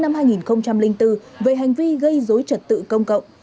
nguyễn văn vũ sinh năm hai nghìn bốn về hành vi gây dối trật tự công cộng